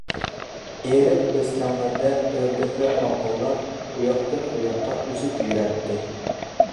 ئېرىق-ئۆستەڭلەردە ئۆردەكلەر غاقىلداپ، ئۇياقتىن-بۇياققا ئۈزۈپ يۈرەتتى.